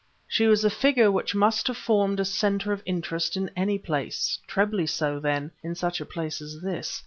She was a figure which must have formed a center of interest in any place, trebly so, then, in such a place as this.